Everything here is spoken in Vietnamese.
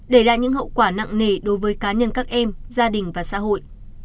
để lại những hậu quả nặng nề đối với cá nhân các em gia đình và xã hội